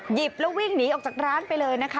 หยิบแล้ววิ่งหนีออกจากร้านไปเลยนะคะ